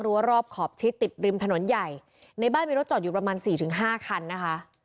รอบขอบชิดติดริมถนนใหญ่ในบ้านมีรถจอดอยู่ประมาณสี่ถึงห้าคันนะคะ